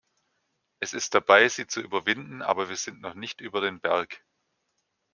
Es ist dabei, sie zu überwinden, aber wir sind noch nicht über den Berg.